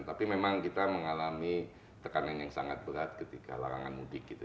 tapi memang kita mengalami tekanan yang sangat berat ketika larangan mudik gitu